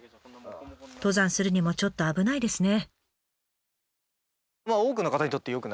登山するにもちょっと危ないですね。